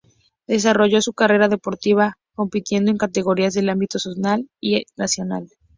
Desarrolló su carrera deportiva compitiendo en categorías del ámbito zonal y nacional.